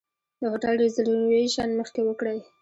د هوټل ریزرویشن مخکې وکړئ.